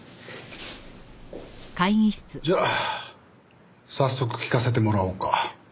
じゃあ早速聞かせてもらおうか。